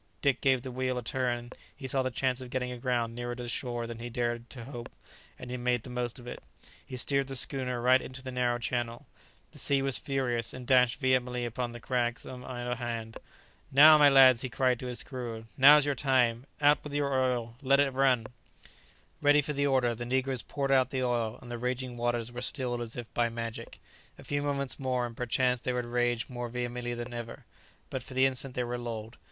Dick gave the wheel a turn; he saw the chance of getting aground nearer to the shore than he had dared to hope, and he made the most of it. He steered the schooner right into the narrow channel; the sea was furious, and dashed vehemently upon the crags on either hand. [Illustration: The sea was furious, and dashed vehemently upon the crags on either hand] "Now, my lads!" he cried to his crew, "now's your time; out with your oil! let it run!" Ready for the order, the negroes poured out the oil, and the raging waters were stilled as if by magic. A few moments more and perchance they would rage more vehemently than ever. But for the instant they were lulled.